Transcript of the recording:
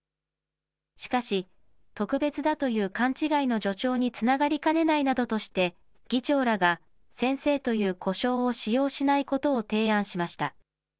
しかし、特別だという勘違いの助長につながりかねないなどとして、議長らが、先生という呼称を使用しないことを提案しました。